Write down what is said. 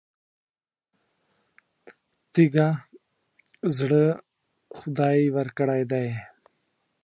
تېږه زړه خدای ورکړی دی.